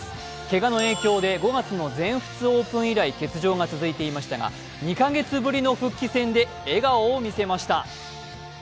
けがの影響で５月の全仏オープン以来、欠場が続いていましたが２カ月ぶりの復帰戦で笑顔を見せました。